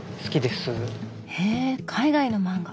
へえ海外の漫画